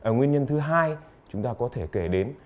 nguyên nhân thứ hai chúng ta có thể kể đến